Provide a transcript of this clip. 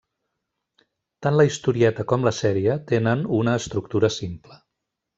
Tant la historieta com la sèrie tenen una estructura simple.